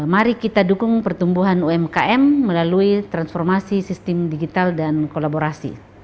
mari kita dukung pertumbuhan umkm melalui transformasi sistem digital dan kolaborasi